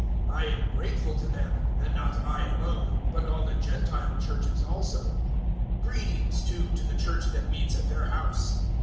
I am grateful to them, and not I alone, but all the Gentile Churches also. 016:005 Greetings, too, to the Church that meets at their house.